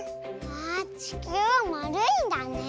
わあちきゅうはまるいんだね。